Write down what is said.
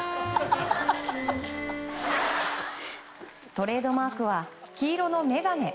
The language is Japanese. トレードマークは黄色の眼鏡。